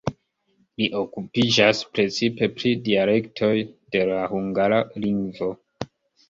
Li okupiĝas precipe pri dialektoj de la hungara lingvo.